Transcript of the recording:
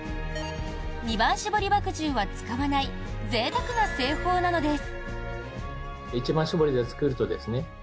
二番搾り麦汁は使わないぜいたくな製法なのです。